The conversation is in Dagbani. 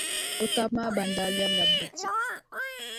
O taba maa ban daa lɛbila biriti.